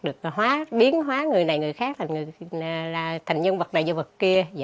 được biến hóa người này người khác thành nhân vật này như vật kia